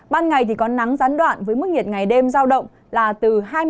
ban ngày thì có nắng gián đoạn với mức nhiệt ngày đêm giao động là từ hai mươi ba cho đến ba mươi bốn độ